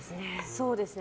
そうですね。